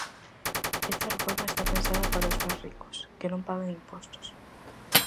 Esta reforma está pensada para os máis ricos, que non pagan impostos.